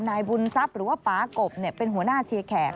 นายบุญทรัพย์หรือว่าป๊ากบเป็นหัวหน้าเชียร์แขก